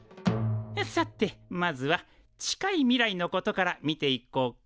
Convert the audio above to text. さてまずは近い未来のことから見ていこうか。